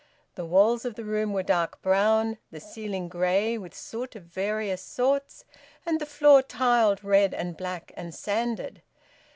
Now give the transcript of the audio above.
The walls of the room were dark brown, the ceiling grey with soot of various sorts, and the floor tiled red and black and sanded.